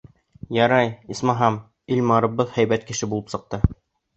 Ярай, исмаһам, Илмарыбыҙ һәйбәт кеше булып сыҡты.